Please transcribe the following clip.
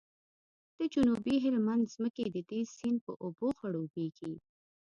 د جنوبي هلمند ځمکې د دې سیند په اوبو خړوبیږي